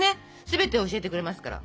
全てを教えてくれますから。